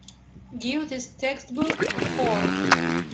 give this textbook a four